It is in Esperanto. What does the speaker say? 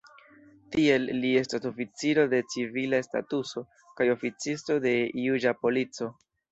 Tiel, li estas oficiro de civila statuso kaj oficisto de juĝa polico.